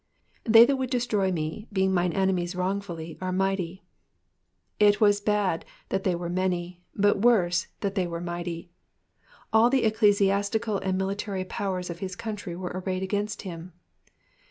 ^^I^ey that ttould destroy me, being mine rnernkt wrongfully^ are mighty. ^^ It was ImmI that they were many, but worse that they were mighty. All the ecclesiastical and military powers of his country were arrayed against him.